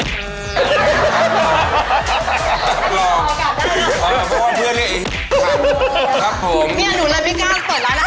อ๋อเพราะว่าเพื่อนเนี้ยไอ้ครับผมพี่อนุและพี่ก้าวเปิดร้านอาหาร